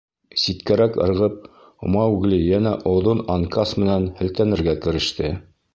— Ситкәрәк ырғып, Маугли йәнә оҙон анкас менән һелтәнергә кереште.